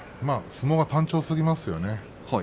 相撲が単調すぎますね。